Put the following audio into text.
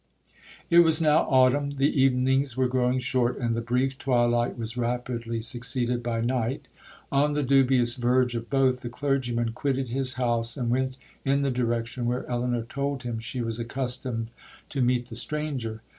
'It was now autumn,—the evenings were growing short, and the brief twilight was rapidly succeeded by night. On the dubious verge of both, the clergyman quitted his house, and went in the direction where Elinor told him she was accustomed to meet the stranger.